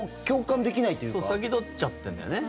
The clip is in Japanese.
先取っちゃってるんだね。